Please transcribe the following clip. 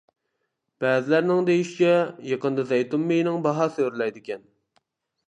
بەزىلەرنىڭ دېيىشىچە، يېقىندا زەيتۇن مېيىنىڭ باھاسى ئۆرلەيدىكەن.